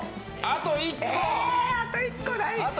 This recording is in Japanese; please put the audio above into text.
あと１個。